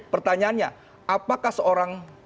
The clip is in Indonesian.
pertanyaannya apakah seorang